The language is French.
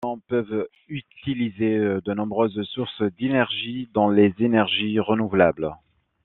Les bâtiments peuvent utiliser de nombreuses sources d'énergie, dont les énergies renouvelables.